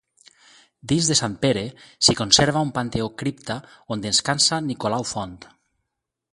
Dins de Sant Pere s'hi conserva un panteó-cripta on descansa Nicolau Font.